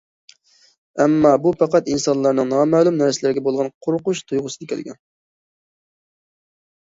ئەمما، بۇ پەقەت ئىنسانلارنىڭ نامەلۇم نەرسىلەرگە بولغان قورقۇش تۇيغۇسىدىن كەلگەن.